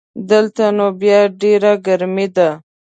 دلته نو بیا ډېره ګرمي ده